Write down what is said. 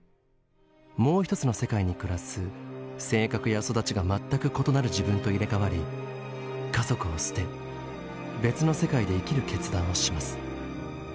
もう一つの世界に暮らす性格や育ちが全く異なる自分と入れ替わり家族を捨て別の世界で生きる決断をします。